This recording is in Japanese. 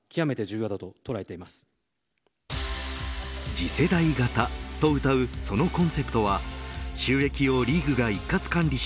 次世代型とうたうそのコンセプトは収益をリーグが一括管理し